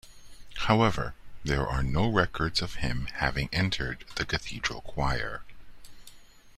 However, there are no records of him having entered the cathedral choir.